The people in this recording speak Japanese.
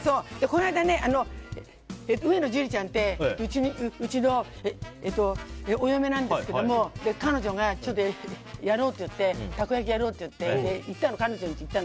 この間ね、上野樹里ちゃんってうちのお嫁なんですけど彼女がたこ焼きやろうって言って行ったの、彼女のうち。